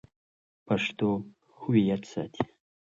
پښتو هویت ساتي.